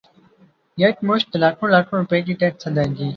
یکمشت لاکھوں لاکھوں روپے کے ٹیکس ادائیگی